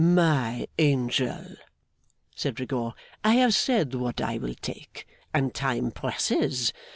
'My angel,' said Rigaud, 'I have said what I will take, and time presses.